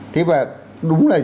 thế và đúng là dịch